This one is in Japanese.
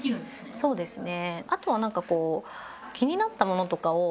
そうですね